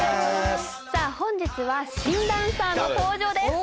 さあ本日は新ダンサーの登場です。